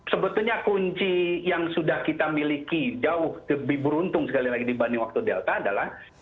nah oleh karena itu yang sebetulnya kunci yang sudah kita miliki jauh lebih beruntung sekali lagi dibanding waktu delta adalah ya